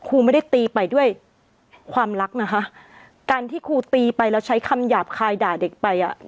ครูไม่ได้ตีไปด้วยความรักนะคะการที่ครูตีไปแล้วใช้คำหยาบคายด่าเด็กไปอ่ะ